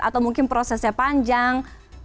atau mungkin prosesnya panjang